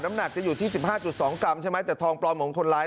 น้ำหนักอยู่ที่๑๕๒กรัมใช่ไหมแต่ทองของคนร้ายเนี่ย